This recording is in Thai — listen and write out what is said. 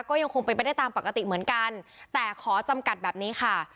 ก็ยังคงเป็นไปได้ตามปกติเหมือนกันแต่ขอจำกัดแบบนี้ค่ะ